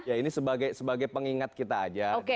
ya ini sebagai pengingat kita aja